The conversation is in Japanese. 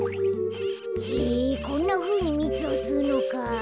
へぇこんなふうにみつをすうのか。